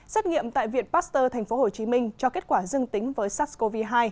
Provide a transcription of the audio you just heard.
xét nghiệm tại viện pasteur tp hcm cho kết quả dương tính với sars cov hai